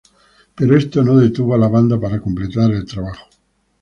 Pero esto no detuvo a la banda para completar el trabajo.